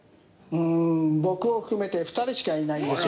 僕を含めて２人しかいないんですよ。